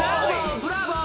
ブラボー！